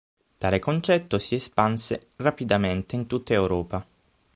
Tale concetto si espanse rapidamente in tutta Europa.